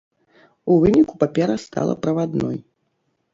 У выніку папера стала правадной.